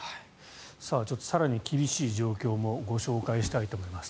更に厳しい状況もご紹介したいと思います。